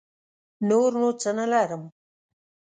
نور نو څه نه لرم.